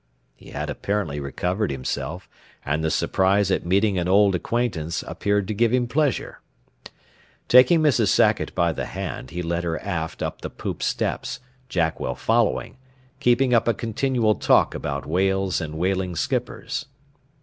He had apparently recovered himself, and the surprise at meeting an old acquaintance appeared to give him pleasure. Taking Mrs. Sackett by the hand, he led her aft up the poop steps, Jackwell following, keeping up a continual talk about whales and whaling skippers.